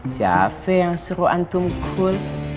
siapa yang suruh antum cool